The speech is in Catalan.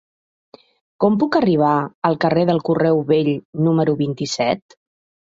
Com puc arribar al carrer del Correu Vell número vint-i-set?